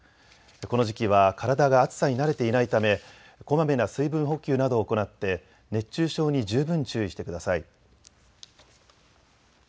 この時期は体が暑さに慣れていないためこまめな水分補給などを行って熱中症に十分注意してください。